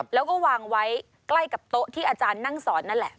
แล้วก็วางไว้ใกล้กับโต๊ะที่อาจารย์นั่งสอนนั่นแหละ